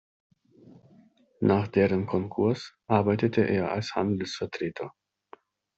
Nach deren Konkurs arbeitete er als Handelsvertreter.